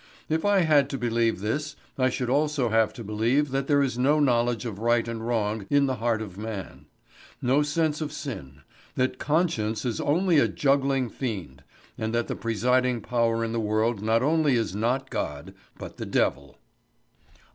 If I had to believe this I should also have to believe that there is no knowledge of right and wrong in the heart of man, no sense of sin, that conscience is only a juggling fiend, and that the presiding power in the world not only is not God, but the devil.